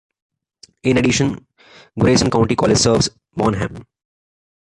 In addition, Grayson County College serves Bonham.